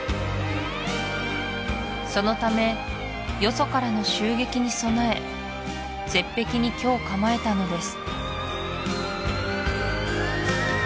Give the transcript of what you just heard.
そのためよそからの襲撃に備え絶壁に居を構えたのです